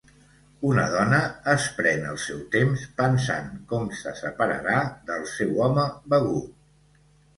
Una dona es pren el seu temps pensant com se separarà del seu home begut.